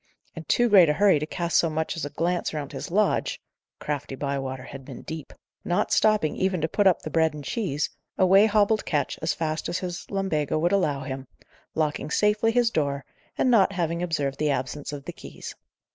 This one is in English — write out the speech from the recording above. In too great a hurry to cast so much as a glance round his lodge (crafty Bywater had been deep), not stopping even to put up the bread and cheese, away hobbled Ketch as fast as his lumbago would allow him, locking safely his door, and not having observed the absence of the keys.